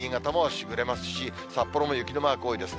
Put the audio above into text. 新潟もしぐれますし、札幌も雪のマーク多いですね。